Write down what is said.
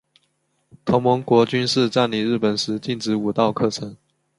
同盟国军事占领日本时禁止武道课程。